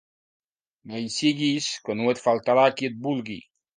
Vell siguis, que no et faltarà qui et vulgui.